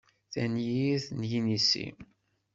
Tanyirt n yinisi.